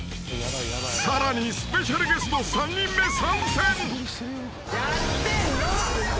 ［さらにスペシャルゲスト３人目参戦］